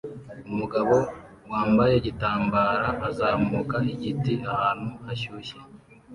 Umugabo wambaye igitambara azamuka igiti ahantu hashyuha